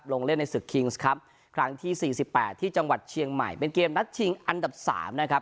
ลงเล่นในศึกครั้งที่๔๘ที่จังหวัดเชียงใหม่เป็นเกมนัดเชียงอันดับ๓นะครับ